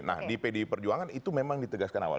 nah di pdi perjuangan itu memang ditegaskan awal